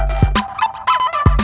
kau mau kemana